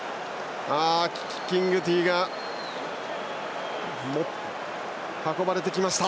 キッキングティーが運ばれてきました。